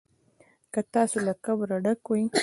که تاسو له کبره ډک وئ.